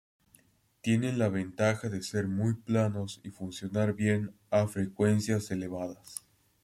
Tienen la ventaja de ser muy planos y funcionar bien a frecuencias elevadas.